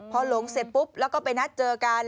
พอหลงเสร็จปุ๊บแล้วก็ไปนัดเจอกัน